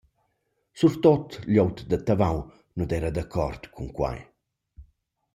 Surtuot glieud da Tavo nu d’eira d’accord cun quai.